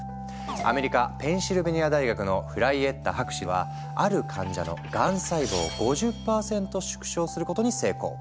アメリカペンシルベニア大学のフライエッタ博士はある患者のがん細胞を５０％縮小することに成功。